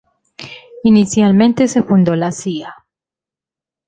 Inicialmente se fundó la "Cia.